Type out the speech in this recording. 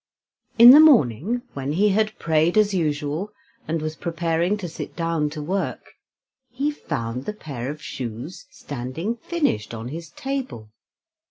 In the morning when he had prayed, as usual, and was preparing to sit down to work, he found the pair of shoes standing finished on his table.